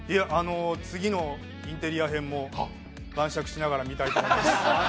次のインテリア編も晩酌しながら見たいと思います。